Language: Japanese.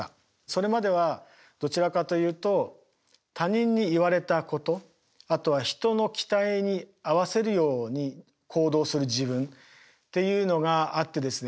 それまではどちらかというと他人に言われたことあとは人の期待に合わせるように行動する自分っていうのがあってですね